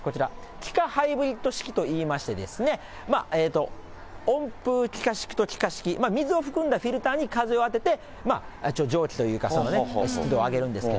気化ハイブリッド式といいましてね、温風気化式と気化式、水を含んだフィルターに風を当てて、蒸気というか、湿度を上げるんです。